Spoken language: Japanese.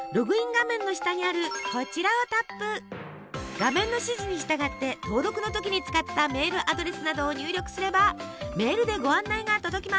画面の指示に従って登録の時に使ったメールアドレスなどを入力すればメールでご案内が届きます。